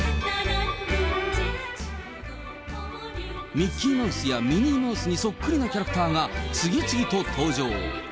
ミッキーマウスやミニーマウスにそっくりなキャラクターが、次々と登場。